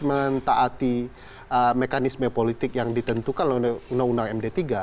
mentaati mekanisme politik yang ditentukan oleh undang undang md tiga